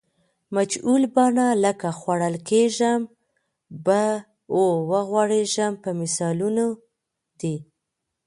مجهول بڼه لکه خوړل کیږم به او غورځېږم به مثالونه دي.